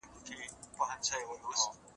څنګه چي هغوی خوښوئ، نو تاسو هم هغسي وکړئ